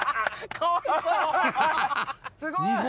かわいそう！